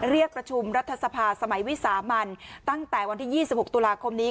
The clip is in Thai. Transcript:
เรียกประชุมรัฐสภาสมัยวิสามันตั้งแต่วันที่๒๖ตุลาคมนี้